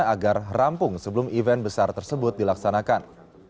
agar rampung sebelum event besar tersebut dilaksanakan